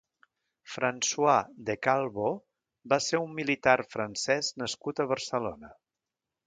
François de Calvo va ser un militar francès nascut a Barcelona.